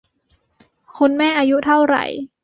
คุณแม่ อายุเท่าไหร